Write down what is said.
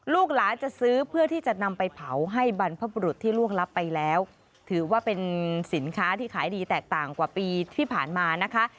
ลูกหลานจะซื้อเพื่อที่จะนำไปเผาให้บรรพบุรุษที่ล่วงลับไปแล้วถือว่าเป็นสินค้าที่ขายดีแตกต่างกว่าปีที่ผ่านมานะคะ